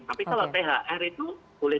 tapi kalau thr itu boleh